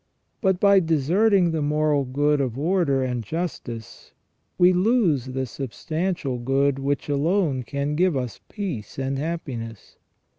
But by deserting the moral good of order and justice we lose the substantial good which alone can give us peace and happiness.